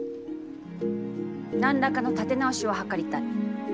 何らかの立て直しを計りたい。